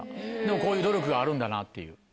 こういう努力があるんだなっていう。